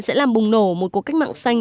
sẽ làm bùng nổ một cuộc cách mạng xanh